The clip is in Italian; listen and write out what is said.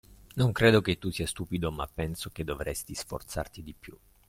Non credo che tu sia stupido, ma penso che dovresti sforzarti di più.